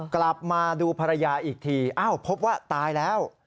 กลับมาดูภรรยาอีกทีอ้าวพบว่าตายแล้ว